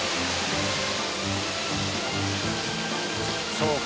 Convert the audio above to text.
そうか。